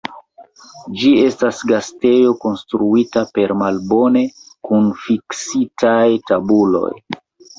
Ĝi estas gastejo konstruita per malbone kunfiksitaj tabuloj.